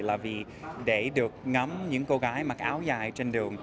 là vì để được ngắm những cô gái mặc áo dài trên đường